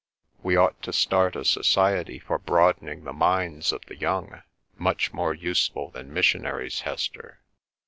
We ought to start a society for broadening the minds of the young—much more useful than missionaries, Hester!